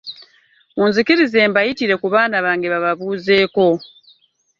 Munzikirize mbayitire ku baana bange bababuuzeeko.